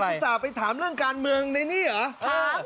นี่นักข่าวยักษาไปถามเรื่องการเมืองในนี่เหรอ